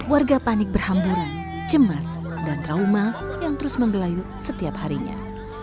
warga panik berhamburan cemas dan trauma yang terus menggelayut setiap harinya